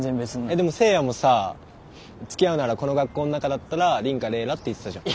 でも誠也もさつきあうならこの学校の中だったら凜かれいらって言ってたじゃん。